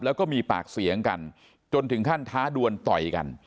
แล้วก็มีปากเสียงกันจนถึงขั้นท้าดวนต่อยกัน